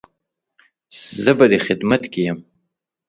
زه به دې خدمت کې يم